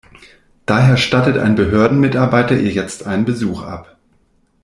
Daher stattet ein Behördenmitarbeiter ihr jetzt einen Besuch ab.